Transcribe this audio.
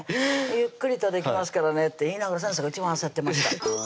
「ゆっくりとできますけどね」って言いながら先生が一番焦ってました